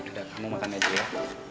ya udah kamu makan aja ya